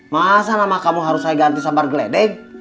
masa nama kamu harus saya ganti sabar geledeg